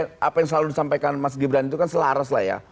ya apa yang selalu disampaikan mas gibran itu kan selaras lah ya